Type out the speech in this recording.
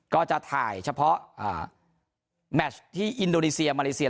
ก็จะถ่ายเฉพาะแมชที่อินโดนีเซียมาเลเซีย